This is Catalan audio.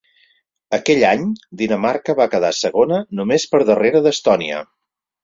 Aquell any, Dinamarca va quedar segona, només per darrere d'Estònia.